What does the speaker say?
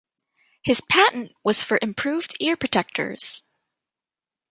His patent was for improved ear protectors.